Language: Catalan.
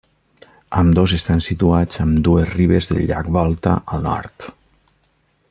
Ambdós estan situats a ambdues ribes del llac Volta, al nord.